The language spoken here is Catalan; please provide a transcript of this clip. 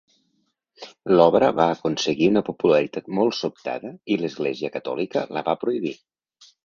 L'obra va aconseguir una popularitat molt sobtada i l'Església catòlica la va prohibir.